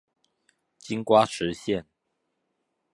金瓜石線